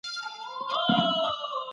څه شی واردات له لوی ګواښ سره مخ کوي؟